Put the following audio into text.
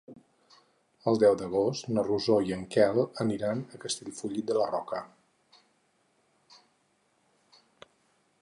El deu d'agost na Rosó i en Quel aniran a Castellfollit de la Roca.